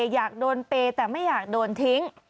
อยากโดนเปย์แต่ไม่อยากโดนทิ้ง